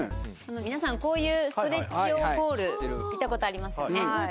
皆さんこういうストレッチ用ポール見たことありますよね。